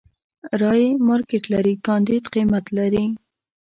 رايې مارکېټ لري، کانديد قيمت لري.